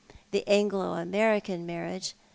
The Anglo American marriage, t!